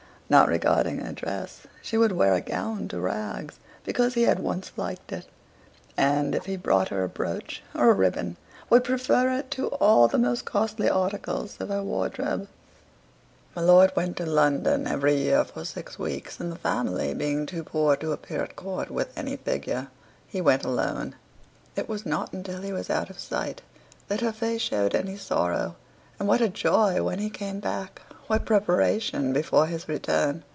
Not regarding her dress, she would wear a gown to rags, because he had once liked it: and, if he brought her a brooch or a ribbon, would prefer it to all the most costly articles of her wardrobe. My lord went to London every year for six weeks, and the family being too poor to appear at Court with any figure, he went alone. It was not until he was out of sight that her face showed any sorrow: and what a joy when he came back! What preparation before his return!